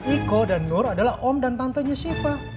iko dan nur adalah om dan tantenya siva